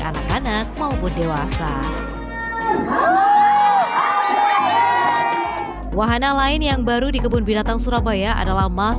anak anak maupun dewasa wahana lain yang baru di kebun binatang surabaya adalah mas